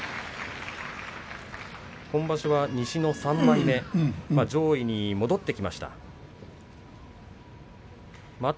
今場所は西の３枚目上位に戻ってきました。